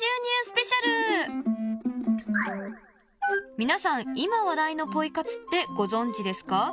皆さん、今話題のポイ活ってご存じですか？